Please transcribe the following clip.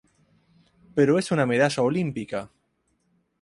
Pero es una medalla olímpica.